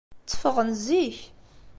Tteffɣen zik.